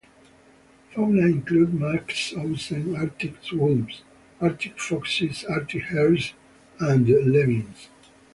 Fauna include musk oxen, Arctic wolves, Arctic foxes, Arctic hares, and lemmings.